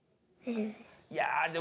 いやでも。